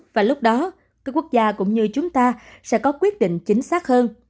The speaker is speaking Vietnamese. và lúc đó các quốc gia cũng như chúng ta sẽ có quyết định chính xác hơn